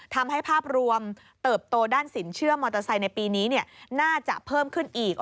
ทำให้ภาพรวมเติบโตด้านสินเชื่อมอเตอร์ไซค์ในปีนี้น่าจะเพิ่มขึ้นอีก